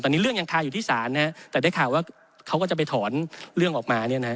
ตอนนี้เรื่องยังทาอยู่ที่สารแต่ได้ข่าวว่าเขาก็จะไปถอนเรื่องออกมา